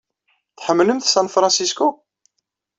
Tḥemmlemt San Francisco?